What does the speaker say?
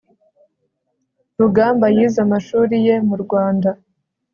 rugamba yize amashuri ye mu rwanda